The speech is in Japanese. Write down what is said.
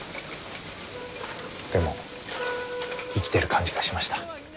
でも生きてる感じがしました。